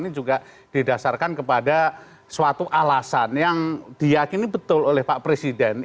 ini juga didasarkan kepada suatu alasan yang diakini betul oleh pak presiden